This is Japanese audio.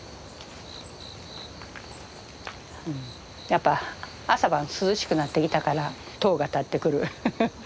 やっぱ朝晩涼しくなってきたからとうが立ってくるフフッ。